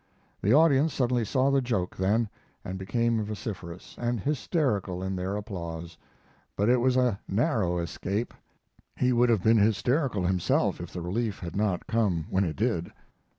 The audience suddenly saw the joke then, and became vociferous and hysterical in their applause; but it was a narrow escape. He would have been hysterical himself if the relief had not came when it did.